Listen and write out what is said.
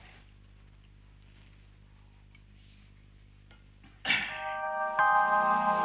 terima kasih pak